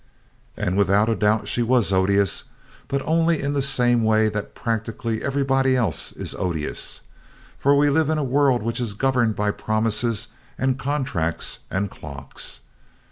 And without doubt she was odious, but only in the same way that practically everybody else is odious, for we live in a world which is governed by promises and contracts and clocks.